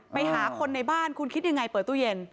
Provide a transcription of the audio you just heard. ไปหาคนในบ้านคุณคิดยังไงเปิดตู้เย็น